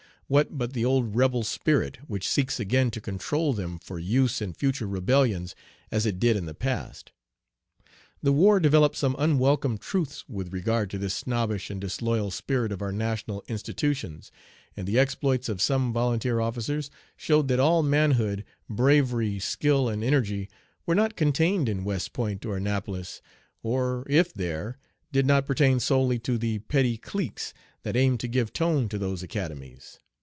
What but the old rebel spirit, which seeks again to control them for use in future rebellions as it did in the past. The war developed some unwelcome truths with regard to this snobbish and disloyal spirit of our national institutions, and the exploits of some volunteer officers showed that all manhood, bravery, skill, and energy were not contained in West Point or Annapolis, or, if there, did not pertain solely to the petty cliques that aim to give tone to those academies.